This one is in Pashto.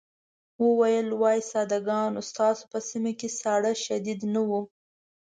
وویل وای ساده ګانو ستاسو په سيمه کې ساړه شديد نه وو.